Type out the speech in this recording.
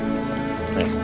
dia memakai etiketnya